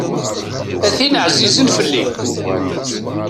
A tin εzizen fell-i.